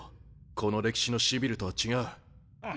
この歴史のシビルとは違う。